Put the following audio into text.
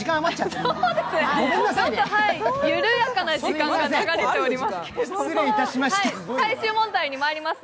そうです、緩やかな時間が流れております。